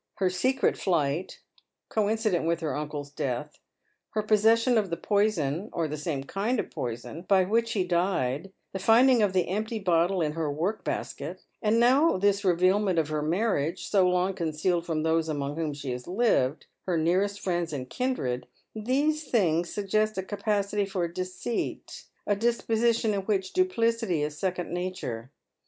Her secret flight — coincident with her uncle's death ; her posses sion of the poison — or the same kind of poison — by which he died ; the finding of the empty bottle in her work basket ; and now this revealment of her marriage, so long concealed from those among whom she has lived — her nearest friends and kindred — these thini^^s suggest a capacity for deceit — a disposition in which duplicity is second nature.